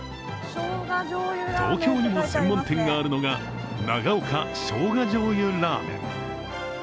東京にも専門店があるのが長岡生姜醤油ラーメン。